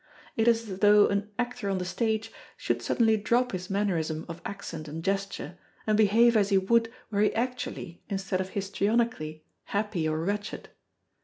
It is as though an actor on the stage should suddenly drop his mannerism of accent and gesture, and behave as he would were he actually, instead of histrionically, happy or wretched.